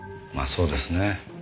まあそうですね。